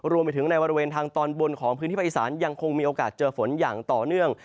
รวมไปถึงในบริเวณทางตอนบนของพื้นที่ภาคอีสานยังคงมีโอกาสเจอฝนอย่างต่อเนื่อง